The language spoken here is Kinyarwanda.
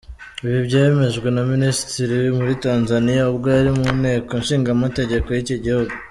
Ibi byemejwe na Minisitiri muri Tanzania ubwo yari mu Nteko Nshingamategeko y’iki gihugu.